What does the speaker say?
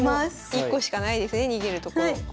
１個しかないですね逃げるとこ。